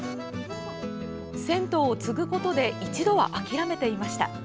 銭湯を継ぐことで一度は諦めていました。